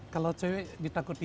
kalau cewek ditakutkan